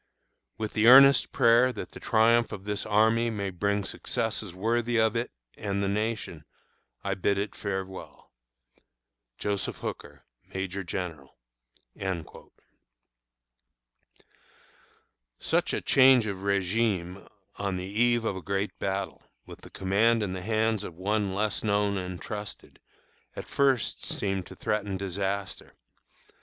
With the earnest prayer that the triumph of this army may bring successes worthy of it and the nation, I bid it farewell. JOSEPH HOOKER, Major General. Such a change of régime on the eve of a great battle, with the command in the hands of one less known and trusted, at first seemed to threaten disaster.